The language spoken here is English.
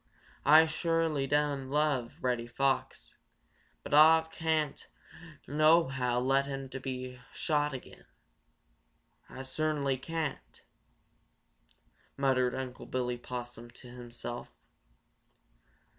Ah sho'ly doan love Reddy Fox, but Ah can't nohow let him be shot again. Ah cert'nly can't!" muttered Unc' Billy Possum to himself.